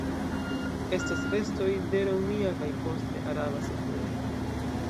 Estas restoj de romia kaj poste araba setlejo.